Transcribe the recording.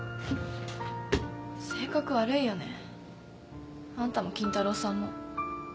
性格悪いよねあんたも金太郎さんも。